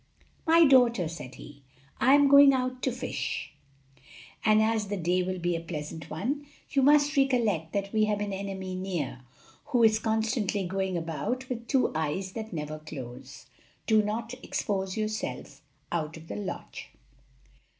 "My daughter," said he, "I am going out to fish, and as the day will be a pleasant one, you must recollect that we have an enemy near, who is constantly going about with two eyes that never close. Do not expose yourself out of the lodge."